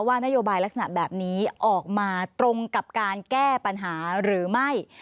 นโยบายลักษณะแบบนี้ออกมาตรงกับการแก้ปัญหาหรือไม่